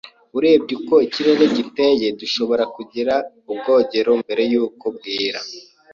Urebye uko ikirere giteye, dushobora kugira ubwogero mbere yuko bwira.